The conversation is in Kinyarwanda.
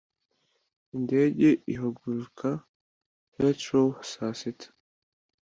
Indege ihaguruka Heathrow saa sita.